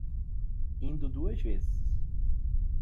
Indo duas vezes